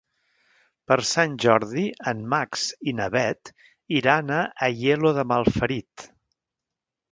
Per Sant Jordi en Max i na Bet iran a Aielo de Malferit.